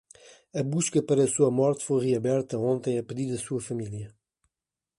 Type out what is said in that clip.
A busca para sua morte foi reaberta ontem a pedido de sua família.